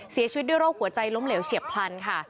เสียชีวิตด้วยโรคหัวใจล้มเหลวเฉียบพลันค่ะ